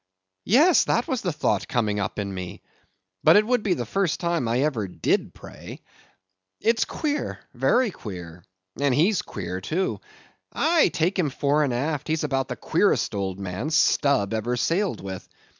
Yes, that was the thought coming up in me; but it would be the first time I ever did pray. It's queer; very queer; and he's queer too; aye, take him fore and aft, he's about the queerest old man Stubb ever sailed with.